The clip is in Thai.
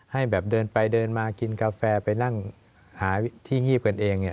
ให้แบบเดินไปเดินมากินกาแฟไปนั่งหาที่งีบกันเองเนี่ย